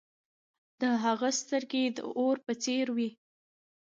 د هغه سترګې د اور په څیر وې.